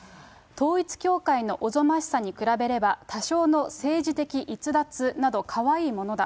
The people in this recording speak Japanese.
統一教会のおぞましさに比べれば多少の政治的逸脱などかわいいものだ。